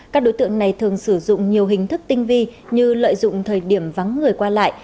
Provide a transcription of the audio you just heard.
các đối tượng này thường sử dụng nhiều hình thức tinh vi như lợi dụng thời điểm vắng người qua lại